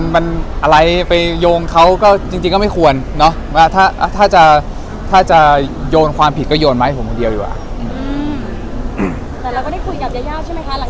มันอะไรไปโยงเขาจริงก็ไม่ควรถ้าจะโยนความผิดก็โยนมาให้ผมคนเดียวก็ดีกว่า